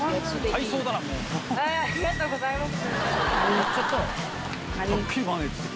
ありがとうございます。